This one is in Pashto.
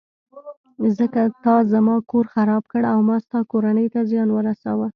ځکه تا زما کور خراب کړ او ما ستا کورنۍ ته زیان ورساوه.